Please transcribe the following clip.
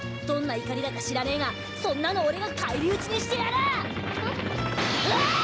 どんな怒りだか知らねーがそんなの俺が返り討ちにしてやるっ！